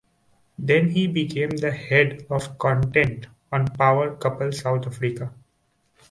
Then he became the Head of Content on Power Couple South Africa.